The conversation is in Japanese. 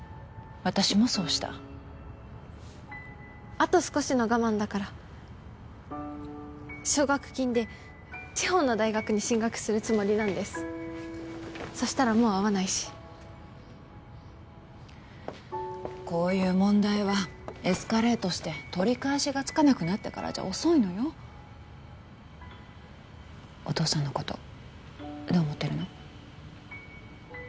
私もそうしたあと少しの我慢だから奨学金で地方の大学に進学するつもりなんですそしたらもう会わないしこういう問題はエスカレートして取り返しがつかなくなってからじゃ遅いのよお父さんのことどう思ってるの？